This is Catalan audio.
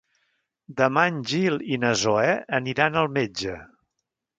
Demà en Gil i na Zoè aniran al metge.